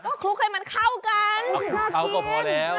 โคล่คลุกให้มันเข้ากัน